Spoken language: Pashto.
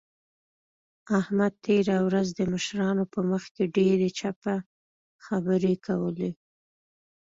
احمد تېره ورځ د مشرانو په مخ کې ډېرې چپه خبرې کولې.